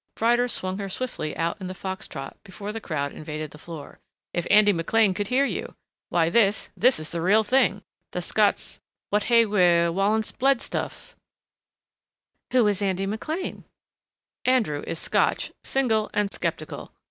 Ryder swung her swiftly out in the fox trot before the crowd invaded the floor. "If Andy McLean could hear you! Why this, this is the real thing, the Scots wha hae wi' Wallace bled stuff." "Who is Andy McLean?" "Andrew is Scotch, Single, and Skeptical.